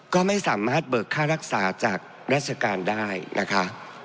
ก็ไม่สามารถเบิกค่ารักษาจากราชการได้นะคะ